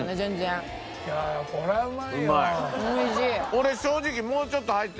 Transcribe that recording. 俺正直。